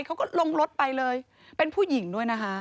เขาก็ลงรถไปเลยเป็นผู้หญิงด้วยนะคะ